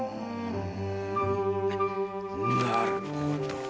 なるほど。